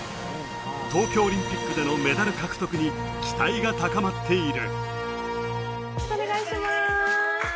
東京オリンピックでのメダル獲得に期待が高まっている。